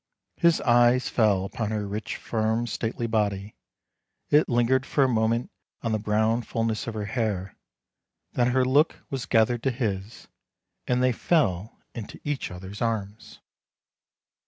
His eyes fell upon her rich, firm, stately body, it lingered for a moment on the brown fulness of her hair, then her look was gathered to his, and they fell into each other's arms.